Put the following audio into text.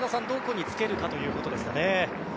どこにつけるかということですか。